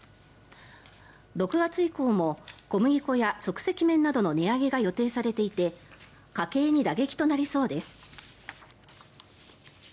６月以降も小麦粉や即席麺などの値上げが予定されていて家計に打撃となりそうです。